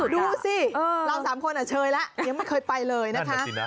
ดูสิลอง๓คนอะเชยละยังไม่เคยไปเลยนะคะ